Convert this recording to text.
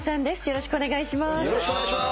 よろしくお願いします。